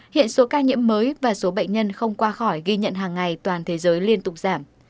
hiện số ca nhiễm mới và số bệnh nhân không qua khỏi ghi nhận hàng ngày toàn thế giới liên tục giảm